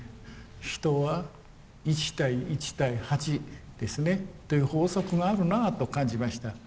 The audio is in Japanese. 人は１対１対８ですねという法則があるなと感じました。